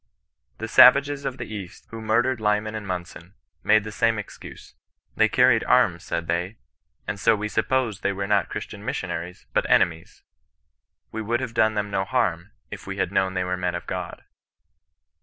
The savages of the East, who murdered Lyman and Mnnson, made the same excuse. ' They carried anns,* said they, ' and so we supposed they were not Chzistian CHRISTIAN NOK BESISTANOB. 123 missionaries, but enemies. We would have done them no harm, if we had known they were men of God.'